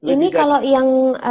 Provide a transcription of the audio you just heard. ini kalau yang